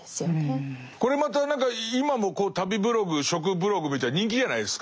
これまた何か今も旅ブログ食ブログみたいなの人気じゃないですか。